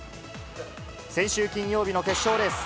先週金曜日の決勝レース。